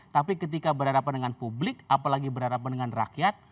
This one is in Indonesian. tapi ketika berhadapan dengan publik apalagi berhadapan dengan rakyat